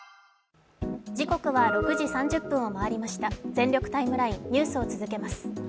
「全力ＴＩＭＥライン」ニュースを続けます。